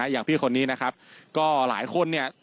อย่างพี่คนนี้นะครับก็หลายคนเนี่ย